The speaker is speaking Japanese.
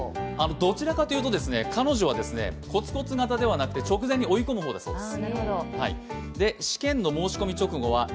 どちらかというと彼女はコツコツ型ではなくて直前に追い込む型だそうです。